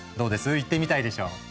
行ってみたいでしょう。